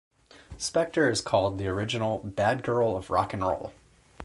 Spector is called the original "bad girl of rock and roll".